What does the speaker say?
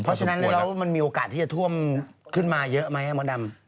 เพราะฉะนั้นแล้วมันมีโอกาสที่จะท่วมขึ้นมาเยอะไหมมดดำ